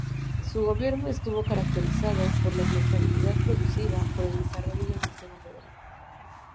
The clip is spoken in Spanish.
Su gobierno estuvo caracterizado por la inestabilidad producida por el desarrollo del sistema federal.